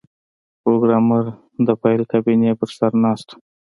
پروګرامر د فایل کابینې په سر ناست و